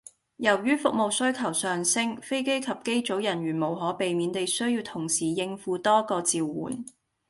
由於服務需求上升，飛機及機組人員無可避免地需要同時應付多個召喚